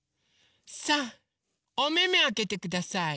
さあおめめあけてください。